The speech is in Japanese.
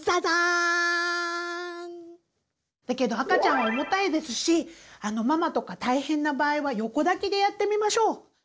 だけど赤ちゃん重たいですしママとか大変な場合は横抱きでやってみましょう。